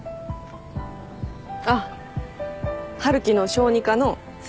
あっ春樹の小児科の先生。